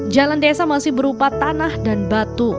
jalan desa masih berupa tanah dan batu